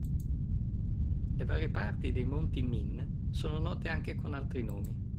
Le varie parti dei monti Min sono note anche con altri nomi.